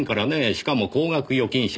しかも高額預金者。